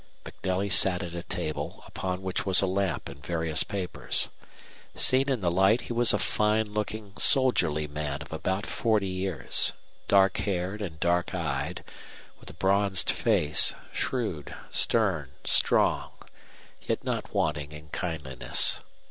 MacNelly sat at a table upon which was a lamp and various papers. Seen in the light he was a fine looking, soldierly man of about forty years, dark haired and dark eyed, with a bronzed face, shrewd, stern, strong, yet not wanting in kindliness.